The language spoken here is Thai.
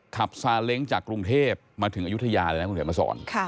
ขับซาเล้งจากกรุงเทพฯมาถึงอยุธยาเลยนะครับคุณเถียวมาสอน